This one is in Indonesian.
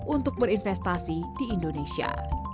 untuk berinvestasi di indonesia